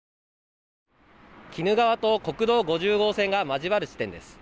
鬼怒川と国道５０号線が交わる地点です。